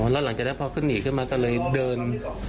แล้วหลังจากนั้นพอขึ้นหนีขึ้นมาก็เลยเดิน